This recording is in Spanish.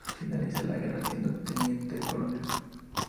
Finaliza la guerra siendo Teniente-Coronel.